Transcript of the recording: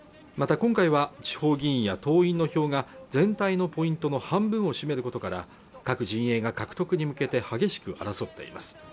今回は地方議員や党員の票が全体のポイントの半分を占めることから各陣営が獲得に向けて激しく争っています